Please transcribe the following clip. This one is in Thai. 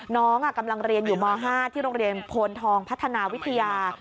น้องกำลังเรียนอยู่ม๕ที่โรงเรียนโพนทองพัฒนาวิทยา